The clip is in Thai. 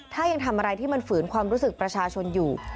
ถ้ายังทำอะไรที่มันฝืนความรู้สึกประชาชนอยู่